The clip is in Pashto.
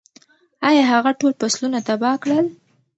ایا هغه ټول فصلونه تباه کړل؟